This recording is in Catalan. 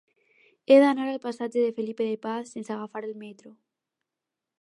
He d'anar al passatge de Felipe de Paz sense agafar el metro.